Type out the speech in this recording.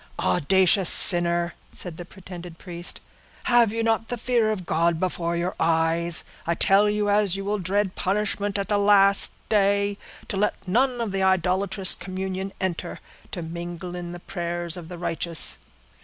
"Audacious sinner!" said the pretended priest, "have you not the fear of God before your eyes? I tell you, as you will dread punishment at the last day, to let none of the idolatrous communion enter, to mingle in the prayers of the righteous."